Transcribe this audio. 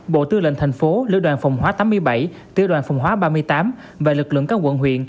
bộ tư lệnh tp hcm lữ đoàn phòng hóa tám mươi bảy tư đoàn phòng hóa ba mươi tám và lực lượng các quận huyện